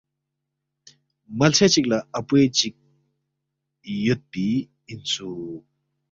ملسے چِک لہ اپوے چِک یودپی اِنسُوک